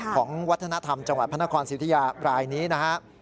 ของวัฒนธรรมจังหวัดพระนครสิทธิยารายนี้นะฮะ